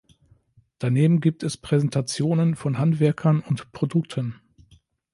Daneben gibt es Präsentationen von Handwerkern und Produkten.